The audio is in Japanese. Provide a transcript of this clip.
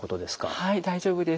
はい大丈夫です。